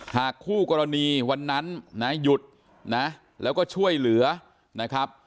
คู่กรณีวันนั้นนะหยุดนะแล้วก็ช่วยเหลือนะครับ